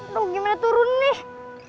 aduh gimana turun nih